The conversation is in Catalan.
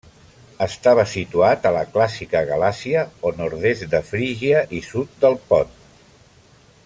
Estava situat a la clàssica Galàcia o nord-est de Frígia, i sud del Pont.